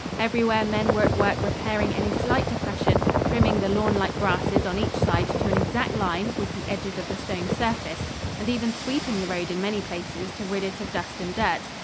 Everywhere men were at work repairing any slight depression, trimming the lawnlike grasses on each side to an exact line with the edges of the stone surface, and even sweeping the road in many places to rid it of dust and dirt.